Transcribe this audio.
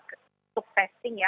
untuk testing ya